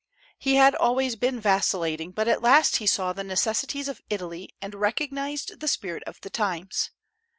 He had always been vacillating, but at last he saw the necessities of Italy and recognized the spirit of the times.